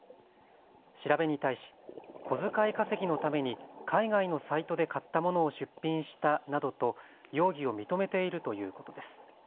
調べに対し小遣い稼ぎのために海外のサイトで買ったものを出品したなどと容疑を認めているということです。